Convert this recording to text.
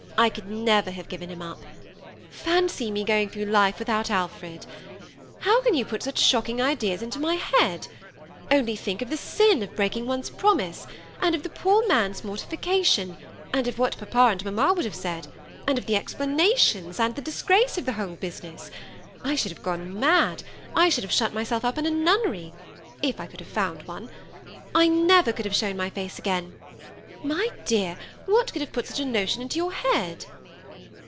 I could never have given him up. Fancy me going through life without Alfred. How can you put such 28 THE SEMI ATTACHED COUPLE. shocking ideas into my head ? Only think of the sin of breaking one's promise, and of the poor man's mortifi cation, and of what papa and mamma would have said ; and of the explanations and the disgrace of the whole business. I should have gone mad. I should have shut myself up in a nunnery, if I could have found one. I never could have shown my face again. My dear, what could have put such a notion into your head